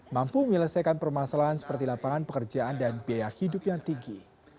mampu menyelesaikan permasalahan seperti lapangan pekerjaan dan biaya hidup yang tinggi